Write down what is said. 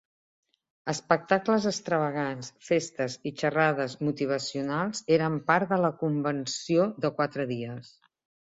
Espectacles extravagants, festes i xerrades motivacionals eren part de la convenció de quatre dies.